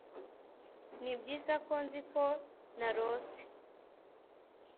nibyiza ko nzi ko narose '